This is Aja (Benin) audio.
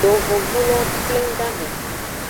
Yovogbulowo pleng dahen.